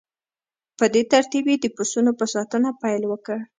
په دې ترتیب یې د پسونو په ساتنه پیل وکړ